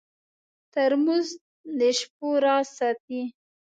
ترموز د شپو راز ساتي.